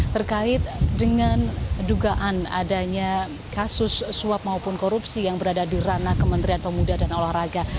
terkait dengan dugaan adanya kasus suap maupun korupsi yang berada di ranah kementerian pemuda dan olahraga